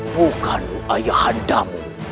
bukan ayah anda mu